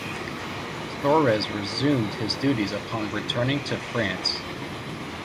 Thorez resumed his duties upon returning to France.